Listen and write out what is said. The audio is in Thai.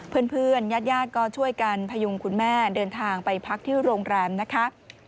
เพื่อนญาติก็ช่วยกันพยุงคุณแม่เดินทางไปพักที่โรงแรมนะคะ